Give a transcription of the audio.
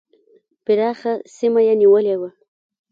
پراخه سیمه یې نیولې وه.